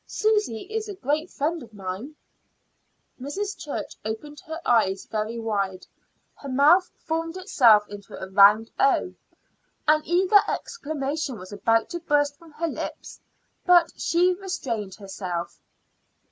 Susy is a great friend of mine." Mrs. Church opened her eyes very wide; her mouth formed itself into a round O. An eager exclamation was about to burst from her lips, but she restrained herself.